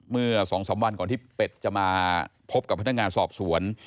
เมื่อ๒๓วันก่อนที่เป็ดจะมาพบกับพนักงานสอบสวน